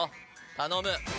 頼む！